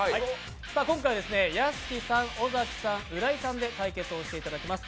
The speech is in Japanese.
今回は屋敷さん、尾崎さん浦井さんで対決していただきます。